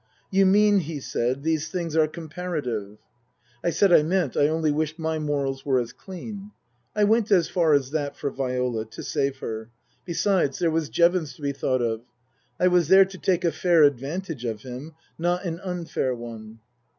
" You mean," he said, " these things are com parative ?" I said I meant I only wished my morals were as clean. (I went as far as that for Viola to save her. Besides, there was Jevons to be thought of. I was there to take a fair advantage of him, not an unfair one.)